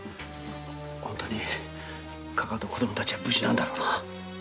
本当にカカアと子供たちは無事なんだろうな？